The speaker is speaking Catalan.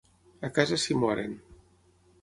A casa s'hi moren.